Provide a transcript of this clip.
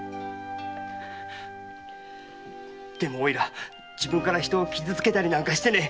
でもおいら自分から人を傷つけたりなんかしていねえ